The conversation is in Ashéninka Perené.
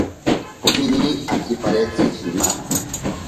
Poshini akiparentsi shima.